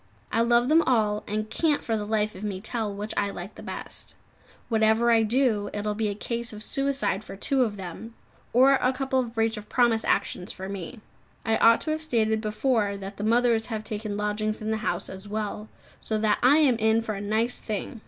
I love them all, and can't for the life of me tell which I like the best. Whatever I do, it will be a case of suicide for two of them, or a couple of breach of promise actions for me. I ought to have stated before that the mothers have taken lodgings in the house as well, so that I am in for a nice thing!